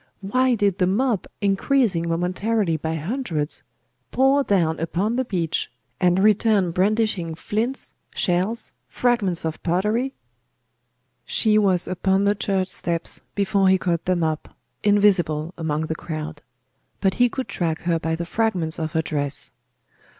Why did the mob, increasing momentarily by hundreds, pour down upon the beach, and return brandishing flints, shells, fragments of pottery? She was upon the church steps before he caught them up, invisible among the crowd; but he could track her by the fragments of her dress.